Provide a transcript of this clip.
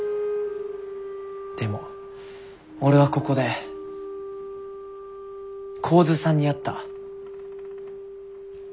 でも俺はここで神頭さんに会った。